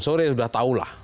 sorry sudah tahu lah